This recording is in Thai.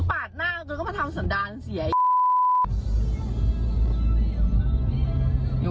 นะปากหน้าก็ไม่รู้